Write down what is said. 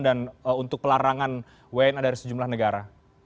dan untuk pelarangan wna dari sejumlah negara